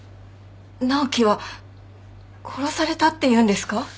直樹は殺されたっていうんですか？